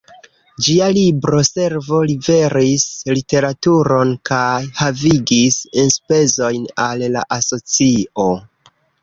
Ĝia Libro-Servo liveris literaturon kaj havigis enspezojn al la asocio.